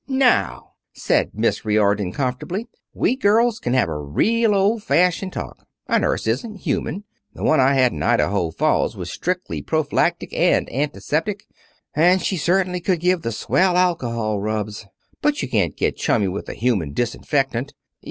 "Now!" said Miss Riordon, comfortably, "we girls can have a real, old fashioned talk. A nurse isn't human. The one I had in Idaho Falls was strictly prophylactic, and antiseptic, and she certainly could give the swell alcohol rubs, but you can't get chummy with a human disinfectant.